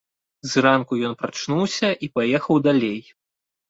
Зранку ён прачнуўся і паехаў далей.